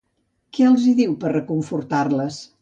Què els hi diu per reconfortar-les?